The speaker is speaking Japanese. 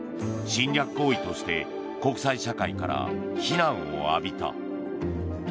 侵略行為として国際社会から非難を浴びた。